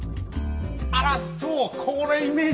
あらそう！